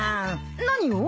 何を？